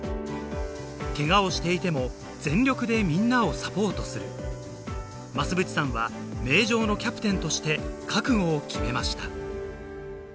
ケガをしていても全力でみんなをサポートする増渕さんは名城のキャプテンとして覚悟を決めました